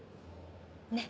ねっ。